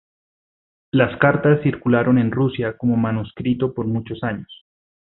Las cartas circularon en Rusia como manuscrito por muchos años.